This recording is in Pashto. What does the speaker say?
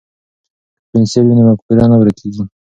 که پنسل وي نو مفکوره نه ورکیږي.